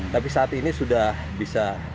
tapi saat ini sudah bisa